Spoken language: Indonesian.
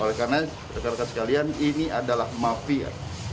oleh karena masyarakat sekalian ini adalah mafia